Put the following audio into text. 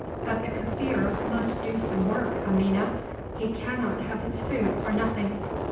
"But the Kaffir must do some work, Amina; he cannot have his food for nothing."